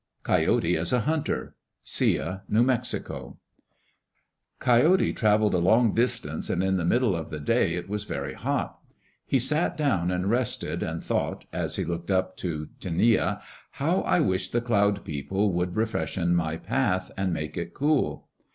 Coyote as a Hunter Sia (New Mexico) Coyote travelled a long distance and in the middle of the day it was very hot. He sat down and rested, and thought, as he looked up to Tinia, "How I wish the Cloud People would freshen my path and make it cool."